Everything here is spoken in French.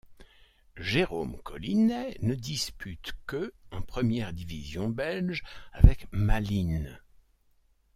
Jérôme Colinet ne dispute que en première division belge avec Malines.